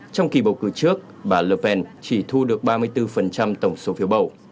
trong kỳ bầu cử trước bà le pen chỉ thu được ba mươi bốn tổng số phiếu bầu